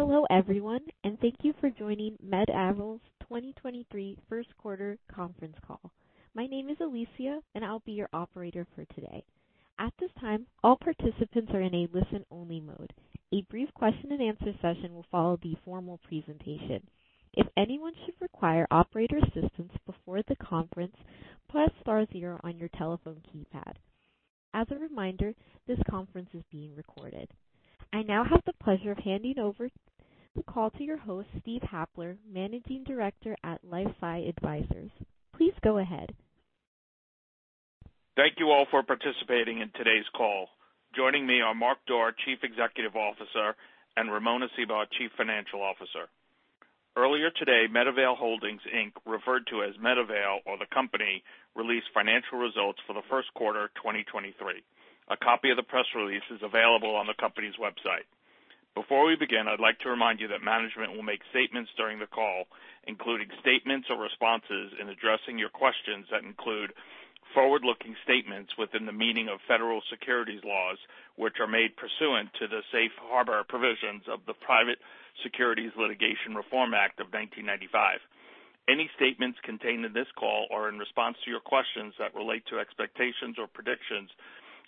Hello, everyone, and thank you for joining MedAvail's 2023 Q1 conference call. My name is Alicia, and I'll be your operator for today. At this time, all participants are in a listen-only mode. A brief question and answer session will follow the formal presentation. If anyone should require operator assistance before the conference, press star zero on your telephone keypad. As a reminder, this conference is being recorded. I now have the pleasure of handing over the call to your host, Steve Halper, Managing Director at LifeSci Advisors. Please go ahead. Thank you all for participating in today's call. Joining me are Mark Doerr, Chief Executive Officer, and Ramona Seabaugh, Chief Financial Officer. Earlier today, MedAvail Holdings, Inc., referred to as MedAvail or the company, released financial results for the Q1 of 2023. A copy of the press release is available on the company's website. Before we begin, I'd like to remind you that management will make statements during the call, including statements or responses in addressing your questions that include forward-looking statements within the meaning of federal securities laws, which are made pursuant to the safe harbor provisions of the Private Securities Litigation Reform Act of 1995. Any statements contained in this call or in response to your questions that relate to expectations or predictions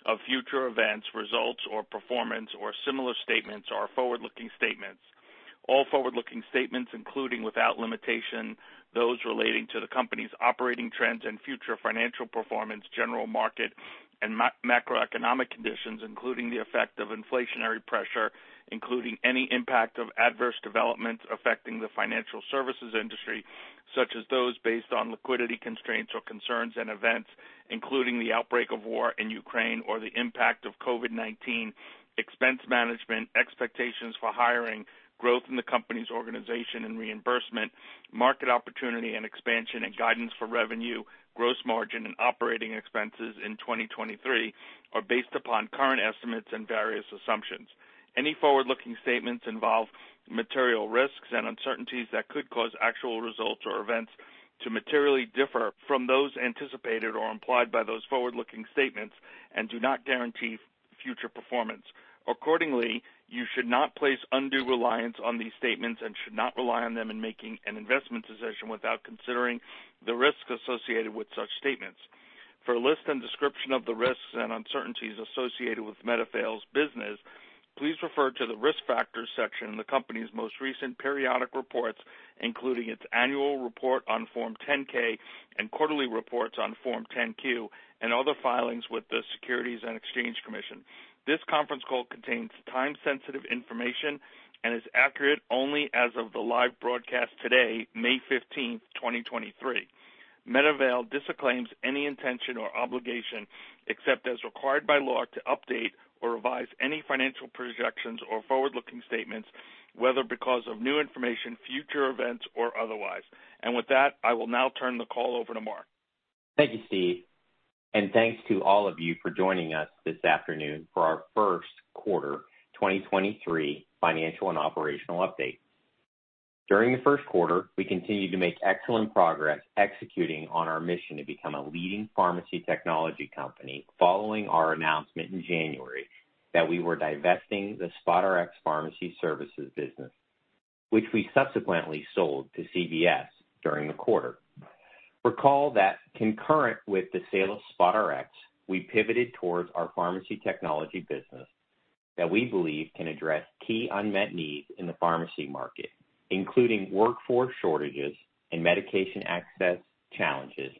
of future events, results or performance or similar statements are forward-looking statements. All forward-looking statements, including, without limitation, those relating to the company's operating trends and future financial performance, general market and macroeconomic conditions, including the effect of inflationary pressure, including any impact of adverse developments affecting the financial services industry, such as those based on liquidity constraints or concerns and events, including the outbreak of war in Ukraine or the impact of COVID-19. Expense management, expectations for hiring, growth in the company's organization and reimbursement, market opportunity and expansion and guidance for revenue, gross margin and operating expenses in 2023, are based upon current estimates and various assumptions. Any forward-looking statements involve material risks and uncertainties that could cause actual results or events to materially differ from those anticipated or implied by those forward-looking statements and do not guarantee future performance. Accordingly, you should not place undue reliance on these statements and should not rely on them in making an investment decision without considering the risks associated with such statements. For a list and description of the risks and uncertainties associated with MedAvail's business, please refer to the Risk Factors section in the company's most recent periodic reports, including its annual report on Form 10-K and quarterly reports on Form 10-Q and other filings with the Securities and Exchange Commission. This conference call contains time-sensitive information and is accurate only as of the live broadcast today, May 15 2023. MedAvail disclaims any intention or obligation, except as required by law, to update or revise any financial projections or forward-looking statements, whether because of new information, future events, or otherwise. With that, I will now turn the call over to Mark. Thank you, Steve. Thanks to all of you for joining us this afternoon for our Q1 2023 financial and operational update. During the Q1, we continued to make excellent progress executing on our mission to become a leading pharmacy technology company following our announcement in January that we were divesting the SpotRx pharmacy services business, which we subsequently sold to CVS during the quarter. Recall that concurrent with the sale of SpotRx, we pivoted towards our pharmacy technology business that we believe can address key unmet needs in the pharmacy market, including workforce shortages and medication access challenges,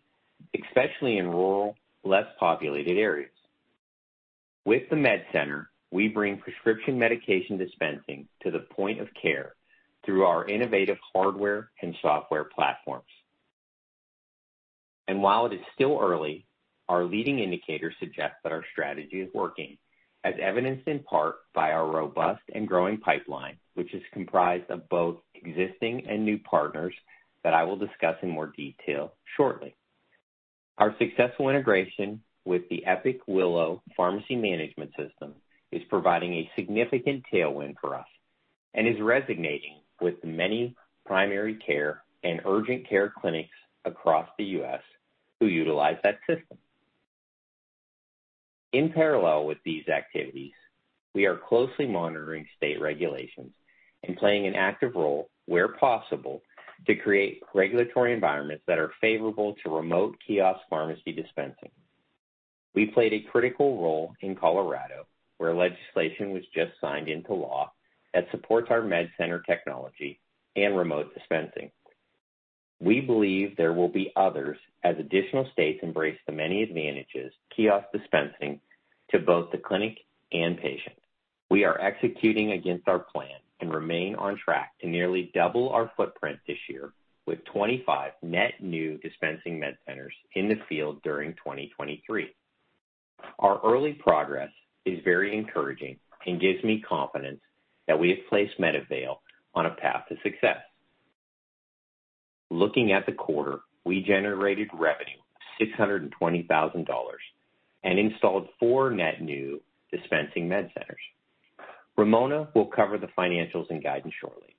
especially in rural, less populated areas. With the MedCenter, we bring prescription medication dispensing to the point of care through our innovative hardware and software platforms. While it is still early, our leading indicators suggest that our strategy is working, as evidenced in part by our robust and growing pipeline, which is comprised of both existing and new partners that I will discuss in more detail shortly. Our successful integration with the Epic Willow pharmacy management system is providing a significant tailwind for us and is resonating with many primary care and urgent care clinics across the U.S. who utilize that system. In parallel with these activities, we are closely monitoring state regulations and playing an active role, where possible, to create regulatory environments that are favorable to remote kiosk pharmacy dispensing. We played a critical role in Colorado, where legislation was just signed into law that supports our MedCenter technology and remote dispensing. We believe there will be others as additional states embrace the many advantages kiosk dispensing to both the clinic and patient. We are executing against our plan and remain on track to nearly double our footprint this year with 25 net new dispensing MedCenters in the field during 2023. Our early progress is very encouraging and gives me confidence that we have placed MedAvail on a path to success. Looking at the quarter, we generated revenue of $620,000 and installed four net new dispensing MedCenters. Ramona will cover the financials and guidance shortly.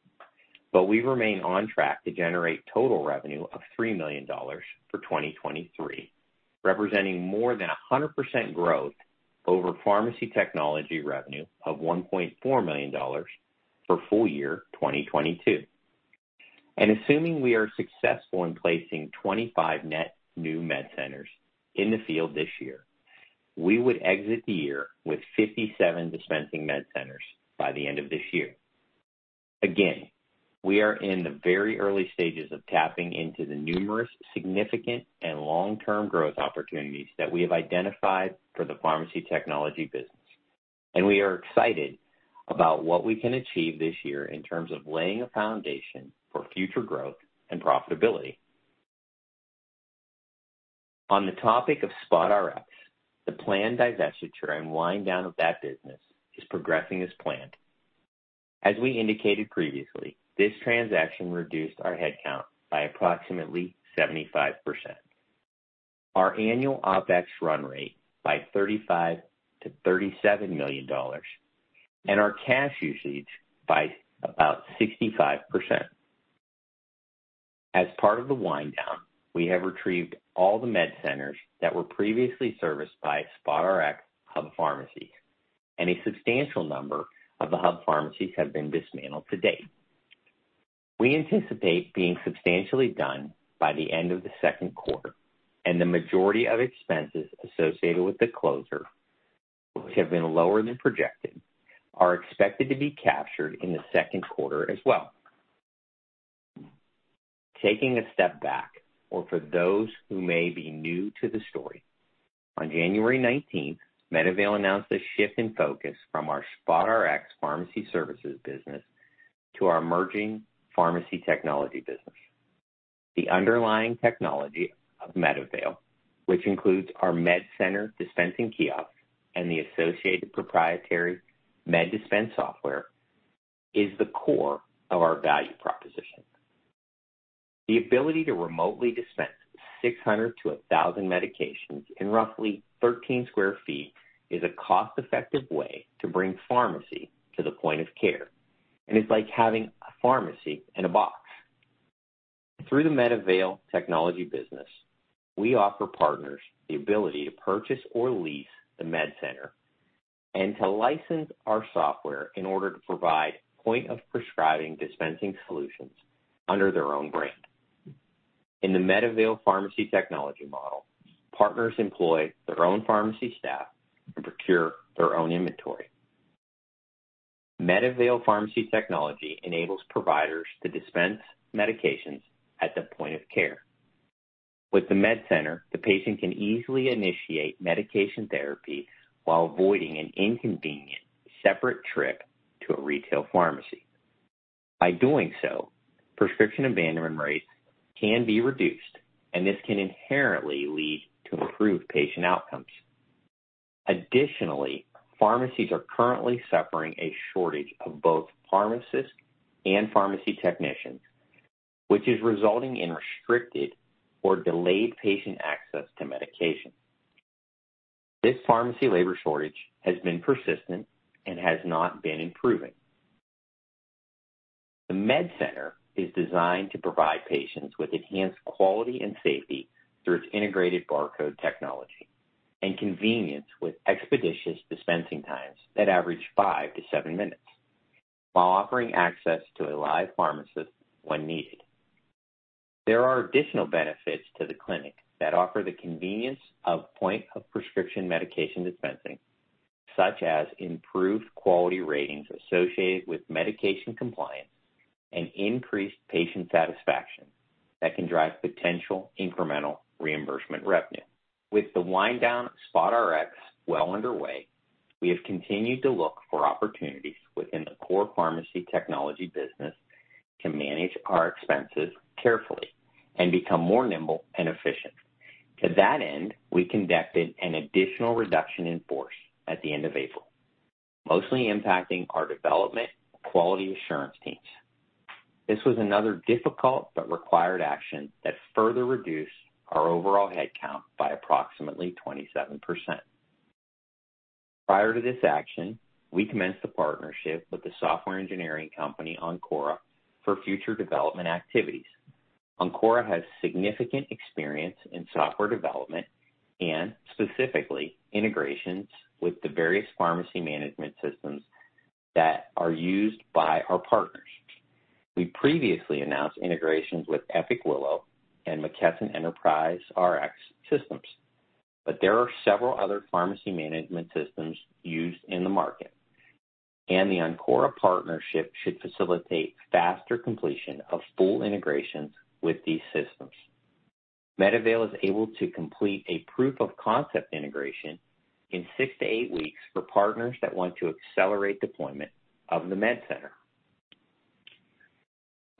We remain on track to generate total revenue of $3 million for 2023, representing more than 100% growth over pharmacy technology revenue of $1.4 million for full year 2022. Assuming we are successful in placing 25 net new MedCenters in the field this year, we would exit the year with 57 dispensing MedCenters by the end of this year. Again, we are in the very early stages of tapping into the numerous significant and long-term growth opportunities that we have identified for the pharmacy technology business, and we are excited about what we can achieve this year in terms of laying a foundation for future growth and profitability. On the topic of SpotRx, the planned divestiture and wind down of that business is progressing as planned. As we indicated previously, this transaction reduced our head count by approximately 75%. Our annual OpEx run rate by $35 million-$37 million and our cash usage by about 65%. As part of the wind down, we have retrieved all the MedCenters that were previously serviced by SpotRx hub pharmacies. A substantial number of the hub pharmacies have been dismantled to date. We anticipate being substantially done by the end of the Q2. The majority of expenses associated with the closure, which have been lower than projected, are expected to be captured in the Q2 as well. Taking a step back, or for those who may be new to the story, on January 19th, MedAvail announced a shift in focus from our SpotRx pharmacy services business to our emerging pharmacy technology business. The underlying technology of MedAvail, which includes our MedCenter dispensing kiosk and the associated proprietary MedDispense software, is the core of our value proposition. The ability to remotely dispense 600 to 1,000 medications in roughly 13 sq ft is a cost-effective way to bring pharmacy to the point of care and is like having a pharmacy in a box. Through the MedAvail technology business, we offer partners the ability to purchase or lease the MedCenter and to license our software in order to provide point of prescribing dispensing solutions under their own brand. In the MedAvail pharmacy technology model, partners employ their own pharmacy staff and procure their own inventory. MedAvail pharmacy technology enables providers to dispense medications at the point of care. With the MedCenter, the patient can easily initiate medication therapy while avoiding an inconvenient separate trip to a retail pharmacy. By doing so, prescription abandonment rates can be reduced, and this can inherently lead to improved patient outcomes. Additionally, pharmacies are currently suffering a shortage of both pharmacists and pharmacy technicians, which is resulting in restricted or delayed patient access to medication. This pharmacy labor shortage has been persistent and has not been improving. The MedCenter is designed to provide patients with enhanced quality and safety through its integrated barcode technology and convenience with expeditious dispensing times that average five to seven minutes while offering access to a live pharmacist when needed. There are additional benefits to the clinic that offer the convenience of point of prescription medication dispensing, such as improved quality ratings associated with medication compliance and increased patient satisfaction that can drive potential incremental reimbursement revenue. With the wind down SpotRx well underway, we have continued to look for opportunities within the core pharmacy technology business to manage our expenses carefully and become more nimble and efficient. To that end, we conducted an additional reduction in force at the end of April, mostly impacting our development quality assurance teams. This was another difficult but required action that further reduced our overall head count by approximately 27%. Prior to this action, we commenced the partnership with the software engineering company Ancora for future development activities. Ancora has significant experience in software development and specifically integrations with the various pharmacy management systems that are used by our partners. We previously announced integrations with Epic Willow and McKesson EnterpriseRx systems. There are several other pharmacy management systems used in the market, and the Ancora partnership should facilitate faster completion of full integrations with these systems. MedAvail is able to complete a proof of concept integration in six to eight weeks for partners that want to accelerate deployment of the MedCenter.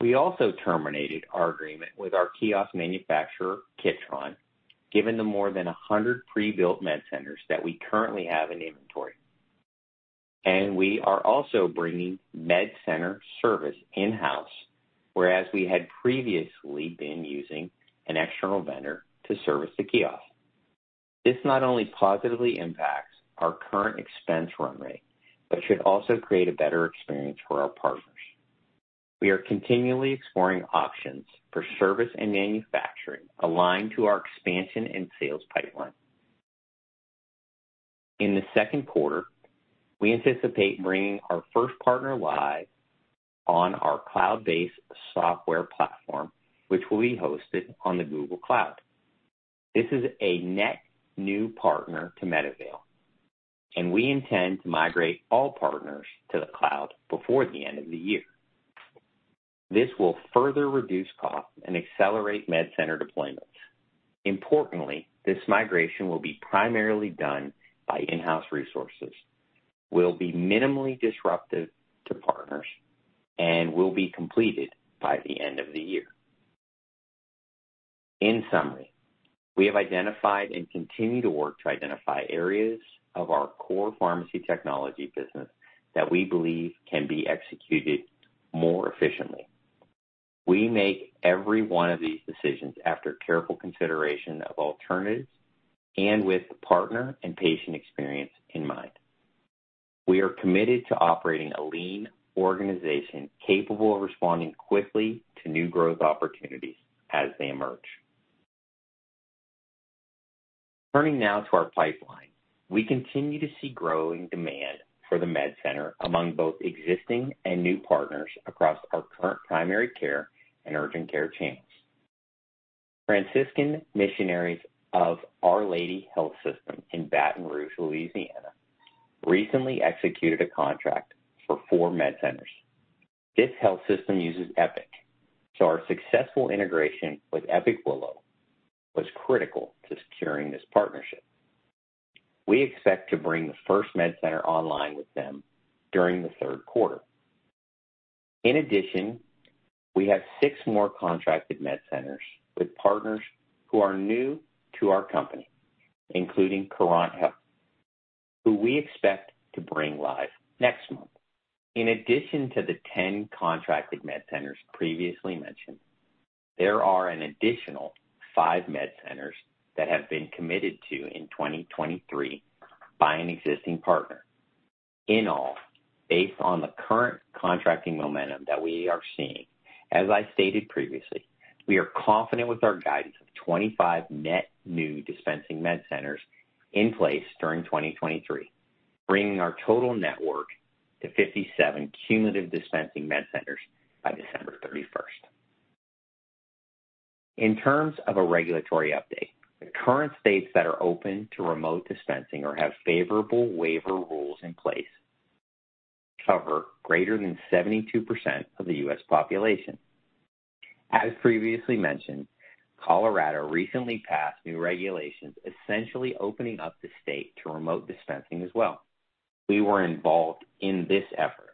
We also terminated our agreement with our kiosk manufacturer, Kitron, given the more than 100 pre-built MedCenters that we currently have in inventory. We are also bringing MedCenter service in-house, whereas we had previously been using an external vendor to service the kiosk. This not only positively impacts our current expense run rate, but should also create a better experience for our partners. We are continually exploring options for service and manufacturing aligned to our expansion and sales pipeline. In the second quarter, we anticipate bringing our first partner live on our cloud-based software platform, which will be hosted on the Google Cloud. This is a net new partner to MedAvail, and we intend to migrate all partners to the cloud before the end of the year. This will further reduce costs and accelerate MedCenter deployments. Importantly, this migration will be primarily done by in-house resources, will be minimally disruptive to partners, and will be completed by the end of the year. In summary, we have identified and continue to work to identify areas of our core pharmacy technology business that we believe can be executed more efficiently. We make every one of these decisions after careful consideration of alternatives and with partner and patient experience in mind. We are committed to operating a lean organization capable of responding quickly to new growth opportunities as they emerge. Turning now to our pipeline. We continue to see growing demand for the MedCenter among both existing and new partners across our current primary care and urgent care channels. Franciscan Missionaries of Our Lady Health System in Baton Rouge, Louisiana, recently executed a contract for four MedCenters. This health system uses Epic, so our successful integration with Epic Willow was critical to securing this partnership. We expect to bring the first MedCenter online with them during the Q3. In addition, we have six more contracted MedCenters with partners who are new to our company, including Curant Health, who we expect to bring live next month. In addition to the 10 contracted MedCenters previously mentioned, there are an additional five MedCenters that have been committed to in 2023 by an existing partner. In all, based on the current contracting momentum that we are seeing, as I stated previously, we are confident with our guidance of 25 net new dispensing MedCenters in place during 2023, bringing our total network to 57 cumulative dispensing MedCenters by December 31st. In terms of a regulatory update, the current states that are open to remote dispensing or have favorable waiver rules in place cover greater than 72% of the U.S. population. As previously mentioned, Colorado recently passed new regulations, essentially opening up the state to remote dispensing as well. We were involved in this effort.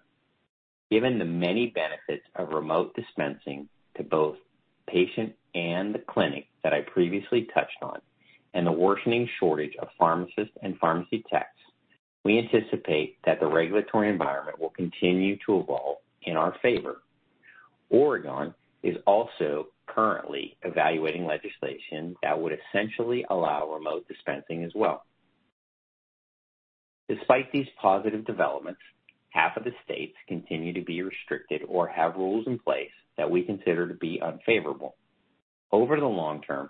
Given the many benefits of remote dispensing to both patient and the clinic that I previously touched on, and the worsening shortage of pharmacists and pharmacy techs, we anticipate that the regulatory environment will continue to evolve in our favor. Oregon is also currently evaluating legislation that would essentially allow remote dispensing as well. Despite these positive developments, half of the states continue to be restricted or have rules in place that we consider to be unfavorable. Over the long term,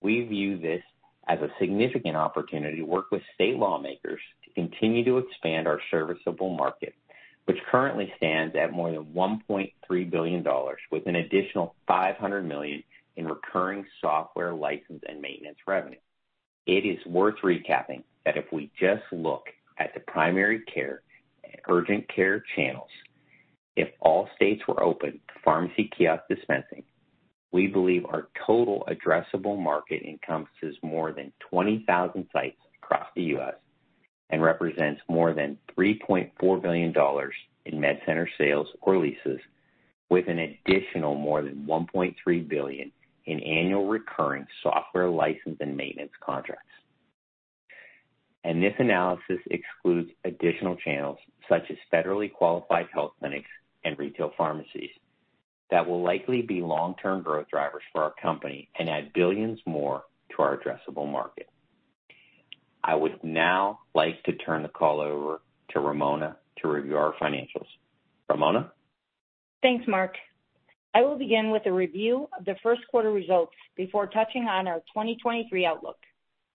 we view this as a significant opportunity to work with state lawmakers to continue to expand our serviceable market, which currently stands at more than $1.3 billion, with an additional $500 million in recurring software license and maintenance revenue. It is worth recapping that if we just look at the primary care and urgent care channels, if all states were open to pharmacy kiosk dispensing, we believe our total addressable market encompasses more than 20,000 sites across the U.S. and represents more than $3.4 billion in MedCenter sales or leases, with an additional more than $1.3 billion in annual recurring software license and maintenance contracts. This analysis excludes additional channels such as federally qualified health clinics and retail pharmacies that will likely be long-term growth drivers for our company and add billions more to our addressable market. I would now like to turn the call over to Ramona to review our financials. Ramona? Thanks, Mark. I will begin with a review of the Q1 results before touching on our 2023 outlook.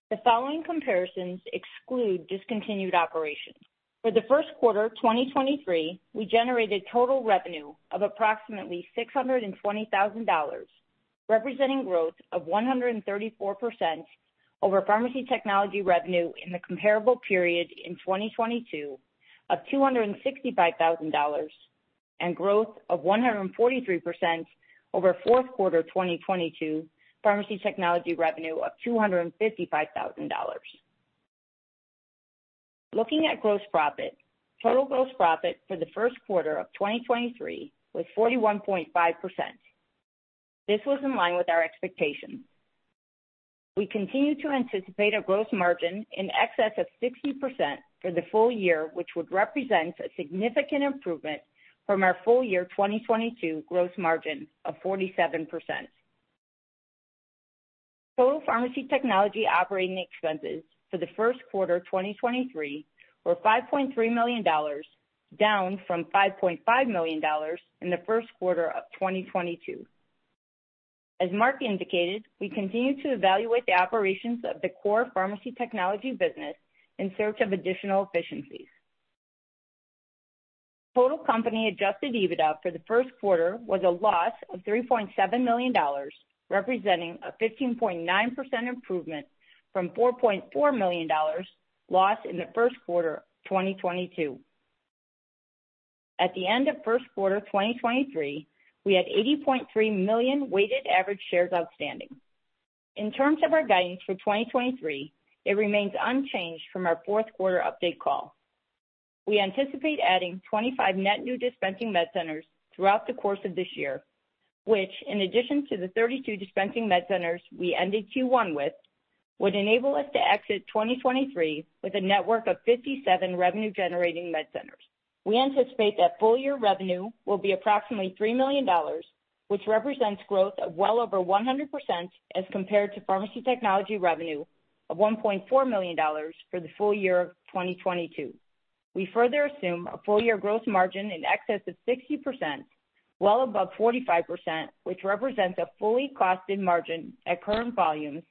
The following comparisons exclude discontinued operations. For the Q1 2023, we generated total revenue of approximately $620,000, representing growth of 134% over pharmacy technology revenue in the comparable period in 2022 of $265,000 and growth of 143% over Q4 2022 pharmacy technology revenue of $255,000. Looking at gross profit. Total gross profit for the Q1 of 2023 was 41.5%. This was in line with our expectations. We continue to anticipate a gross margin in excess of 60% for the full year, which would represent a significant improvement from our full year 2022 gross margin of 47%. Total pharmacy technology operating expenses for the Q1 of 2023 were $5.3 million, down from $5.5 million in the Q1 of 2022. As Mark indicated, we continue to evaluate the operations of the core pharmacy technology business in search of additional efficiencies. Total company adjusted EBITDA for the Q1 was a loss of $3.7 million, representing a 15.9% improvement from $4.4 million lost in the Q1 of 2022. At the end of Q1 of 2023, we had 80.300,000 weighted average shares outstanding. In terms of our guidance for 2023, it remains unchanged from our Q4 update call. We anticipate adding 25 net new dispensing MedCenters throughout the course of this year, which in addition to the 32 dispensing MedCenters we ended Q1 with, would enable us to exit 2023 with a network of 57 revenue generating MedCenters. We anticipate that full year revenue will be approximately $3 million, which represents growth of well over 100% as compared to pharmacy technology revenue of $1.4 million for the full year of 2022. We further assume a full year growth margin in excess of 60%, well above 45%, which represents a fully costed margin at current volumes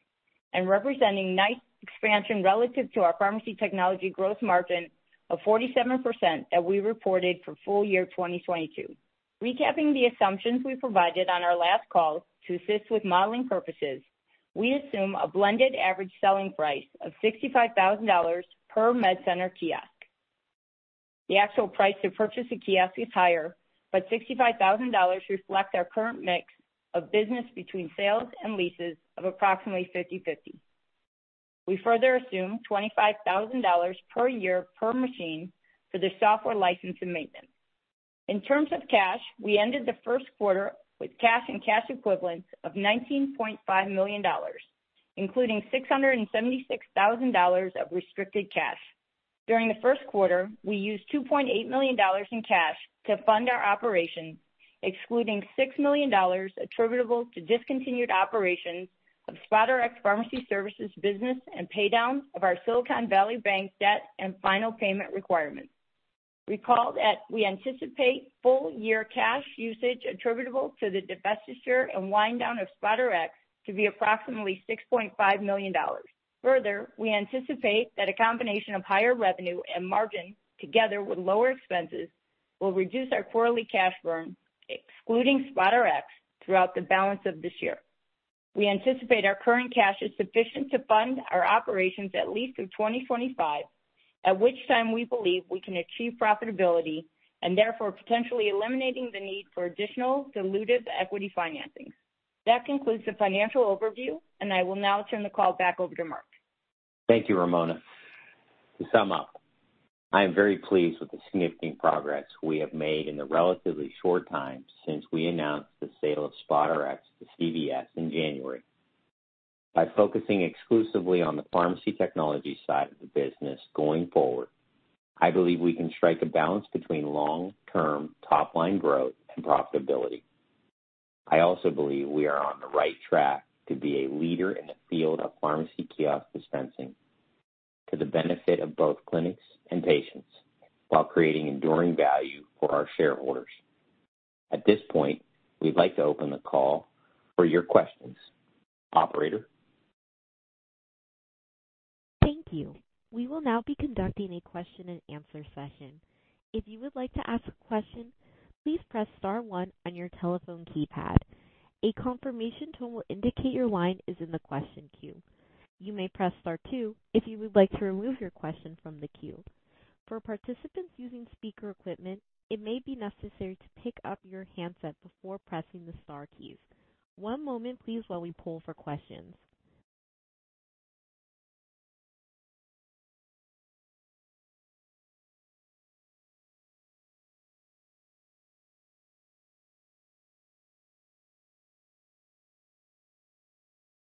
and representing nice expansion relative to our pharmacy technology growth margin of 47% that we reported for full year 2022. Recapping the assumptions we provided on our last call to assist with modeling purposes, we assume a blended average selling price of $65,000 per MedCenter kiosk. The actual price to purchase a kiosk is higher, but $65,000 reflects our current mix of business between sales and leases of approximately 50/50. We further assume $25,000 per year per machine for the software license and maintenance. In terms of cash, we ended the Q1 with cash and cash equivalents of $19.5 million, including $676,000 of restricted cash. During the Q1, we used $2.8 million in cash to fund our operations, excluding $6 million attributable to discontinued operations of SpotRx pharmacy services business and pay down of our Silicon Valley Bank debt and final payment requirements. Recall that we anticipate full year cash usage attributable to the divestiture and wind down of SpotRx to be approximately $6.5 million. Further, we anticipate that a combination of higher revenue and margin together with lower expenses will reduce our quarterly cash burn, excluding SpotRx, throughout the balance of this year. We anticipate our current cash is sufficient to fund our operations at least through 2025, at which time we believe we can achieve profitability and therefore potentially eliminating the need for additional dilutive equity financings. That concludes the financial overview, and I will now turn the call back over to Mark. Thank you, Ramona. To sum up, I am very pleased with the significant progress we have made in the relatively short time since we announced the sale of SpotRx to CVS in January. By focusing exclusively on the pharmacy technology side of the business going forward, I believe we can strike a balance between long-term top-line growth and profitability. I also believe we are on the right track to be a leader in the field of pharmacy kiosk dispensing to the benefit of both clinics and patients, while creating enduring value for our shareholders. At this point, we'd like to open the call for your questions. Operator? Thank you. We will now be conducting a question and answer session. If you would like to ask a question, please press star one on your telephone keypad. A confirmation tone will indicate your line is in the question queue. You may press star two if you would like to remove your question from the queue. For participants using speaker equipment, it may be necessary to pick up your handset before pressing the star keys. One moment please while we pull for questions.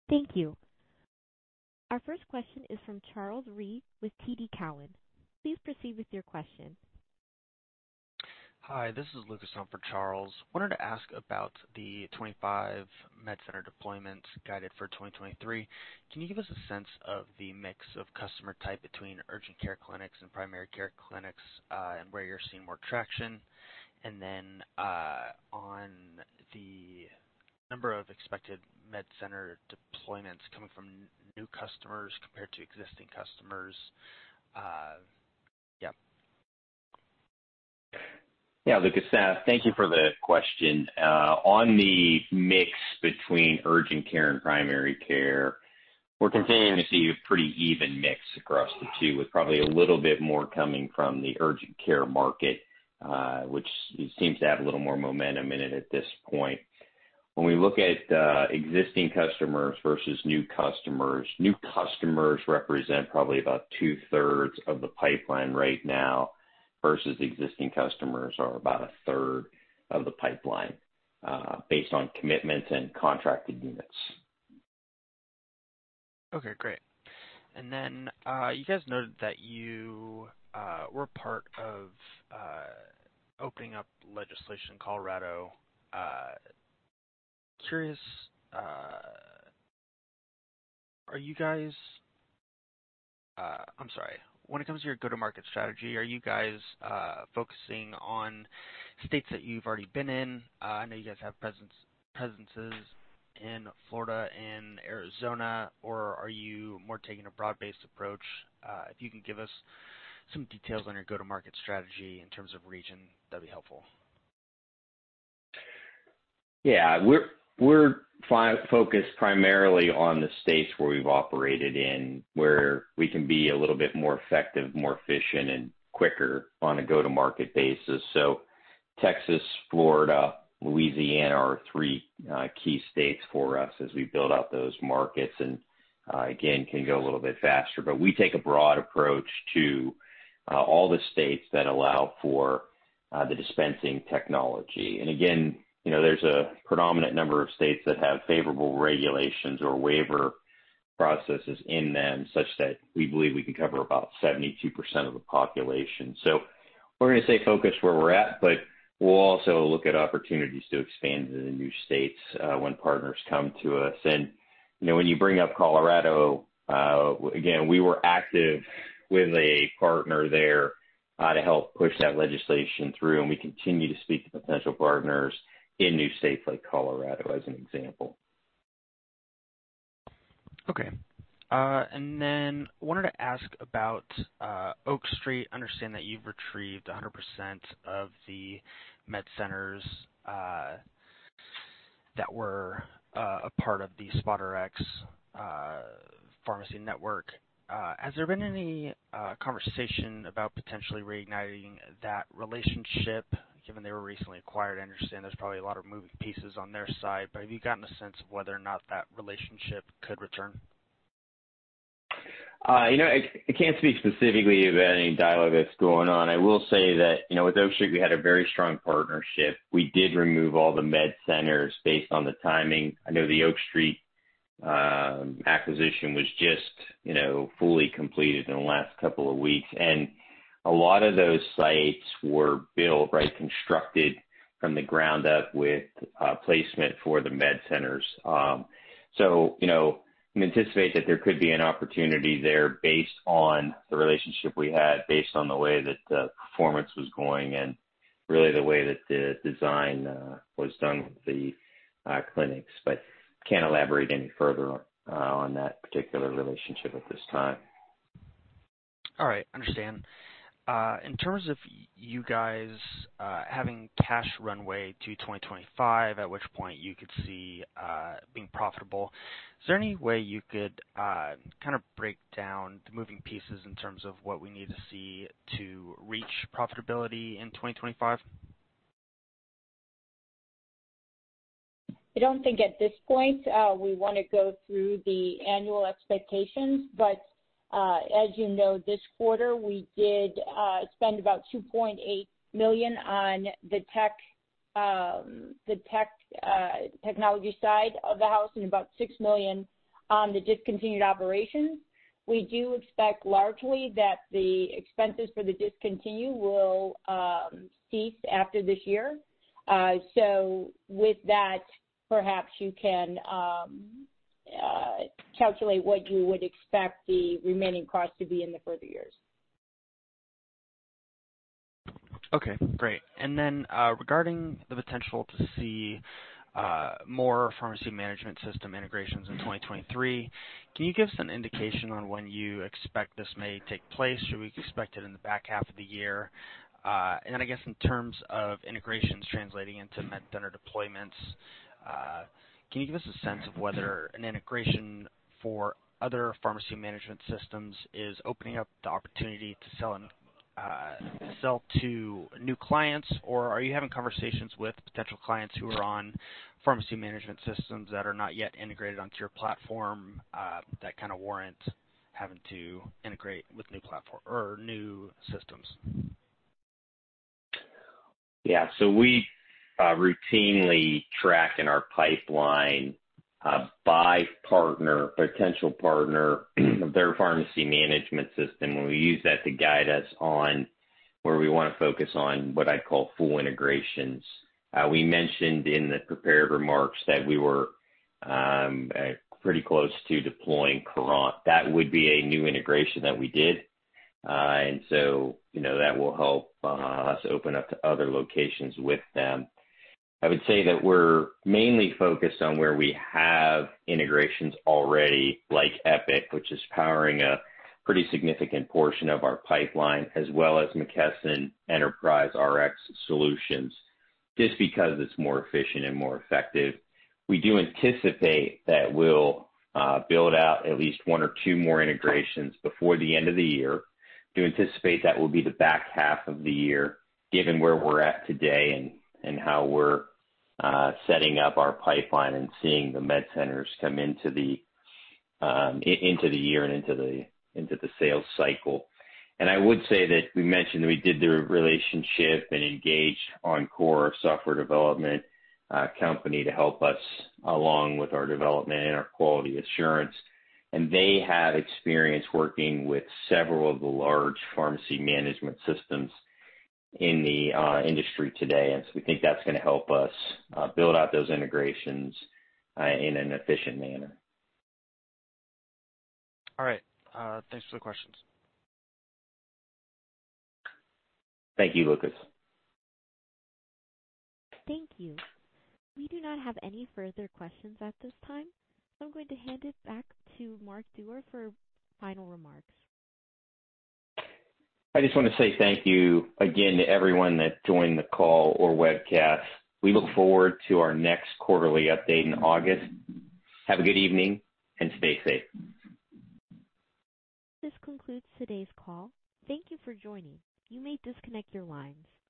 Thank you. Our first question is from Charles Rhyee with TD Cowen. Please proceed with your question. Hi, this is Lucas in for Charles. Wanted to ask about the 25 MedCenter deployments guided for 2023. Can you give us a sense of the mix of customer type between urgent care clinics and primary care clinics, and where you're seeing more traction? On the number of expected MedCenter deployments coming from new customers compared to existing customers. yep. Lucas, thank you for the question. On the mix between urgent care and primary care, we're continuing to see a pretty even mix across the two, with probably a little bit more coming from the urgent care market, which seems to have a little more momentum in it at this point. When we look at existing customers versus new customers, new customers represent probably about 2/3 of the pipeline right now, versus existing customers are about 1/3 of the pipeline, based on commitments and contracted units. Okay, great. You guys noted that you were part of opening up legislation in Colorado. Curious, I'm sorry. When it comes to your go-to-market strategy, are you guys focusing on states that you've already been in? I know you guys have presences in Florida and Arizona. Are you more taking a broad-based approach? If you can give us some details on your go-to-market strategy in terms of region, that'd be helpful. Yeah. We're focused primarily on the states where we've operated in, where we can be a little bit more effective, more efficient, and quicker on a go-to-market basis. Texas, Florida, Louisiana are three key states for us as we build out those markets and again, can go a little bit faster. We take a broad approach to all the states that allow for the dispensing technology. Again, you know, there's a predominant number of states that have favorable regulations or waiver processes in them such that we believe we can cover about 72% of the population. We're gonna stay focused where we're at, but we'll also look at opportunities to expand to the new states when partners come to us. You know, when you bring up Colorado, again, we were active with a partner there, to help push that legislation through, and we continue to speak to potential partners in new states like Colorado as an example. Okay. Then wanted to ask about Oak Street. I understand that you've retrieved 100% of the MedCenters that were a part of the SpotRx pharmacy network. Has there been any conversation about potentially reigniting that relationship given they were recently acquired? I understand there's probably a lot of moving pieces on their side, but have you gotten a sense of whether or not that relationship could return? Yeah, I can't speak specifically about any dialogue that's going on. I will say that, you know, with Oak Street we had a very strong partnership. We did remove all the MedCenters based on the timing. I know the Oak Street acquisition was just, you know, fully completed in the last couple of weeks. A lot of those sites were built, right, constructed from the ground up with placement for the MedCenters. you know, we anticipate that there could be an opportunity there based on the relationship we had, based on the way that the performance was going and really the way that the design was done with the clinics. Can't elaborate any further on that particular relationship at this time. All right. Understand. In terms of you guys having cash runway to 2025, at which point you could see being profitable, is there any way you could kind of break down the moving pieces in terms of what we need to see to reach profitability in 2025? I don't think at this point, we wanna go through the annual expectations. As you know, this quarter we did spend about $2.8 million on the technology side of the house and about $6 million on the discontinued operations. We do expect largely that the expenses for the discontinued will cease after this year. With that, perhaps you can calculate what you would expect the remaining costs to be in the further years. Okay, great. Regarding the potential to see more pharmacy management system integrations in 2023, can you give us an indication on when you expect this may take place? Should we expect it in the back half of the year? I guess in terms of integrations translating into MedCenter deployments, can you give us a sense of whether an integration for other pharmacy management systems is opening up the opportunity to sell and sell to new clients? Are you having conversations with potential clients who are on pharmacy management systems that are not yet integrated onto your platform, that kind of warrant having to integrate with new platform or new systems? Yeah. We routinely track in our pipeline, by partner, potential partner, their pharmacy management system, and we use that to guide us on where we wanna focus on what I'd call full integrations. We mentioned in the prepared remarks that we were pretty close to deploying Curant. That would be a new integration that we did. You know, that will help us open up to other locations with them. I would say that we're mainly focused on where we have integrations already, like Epic, which is powering a pretty significant portion of our pipeline, as well as McKesson EnterpriseRx Solutions, just because it's more efficient and more effective. We do anticipate that we'll build out at least one or two more integrations before the end of the year. Do anticipate that will be the back half of the year, given where we're at today and how we're setting up our pipeline and seeing the MedCenters come into the year and into the sales cycle. I would say that we mentioned that we did the relationship and engaged on core software development company to help us along with our development and our quality assurance. They have experience working with several of the large pharmacy management systems in the industry today. We think that's gonna help us build out those integrations in an efficient manner. All right. Thanks for the questions. Thank you, Lucas. Thank you. We do not have any further questions at this time. I'm going to hand it back to Mark Doerr for final remarks. I just wanna say thank you again to everyone that joined the call or webcast. We look forward to our next quarterly update in August. Have a good evening and stay safe. This concludes today's call. Thank you for joining. You may disconnect your lines.